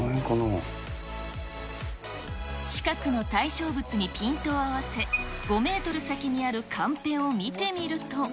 近くの対象物にピントを合わせ、５メートル先にあるカンペを見てみると。